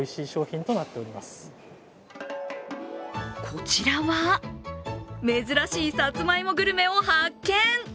こちらは珍しいさつまいもグルメを発見。